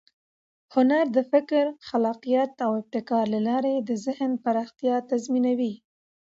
هنر د فکر، خلاقیت او ابتکار له لارې د ذهن پراختیا تضمینوي.